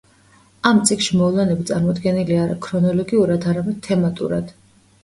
ამ წიგნში მოვლენები წარმოდგენილია არა ქრონოლოგიურად, არამედ თემატურად.